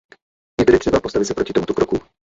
Je tedy třeba postavit se proti tomuto kroku.